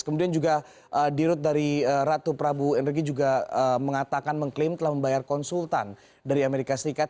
kemudian juga dirut dari ratu prabu energi juga mengatakan mengklaim telah membayar konsultan dari amerika serikat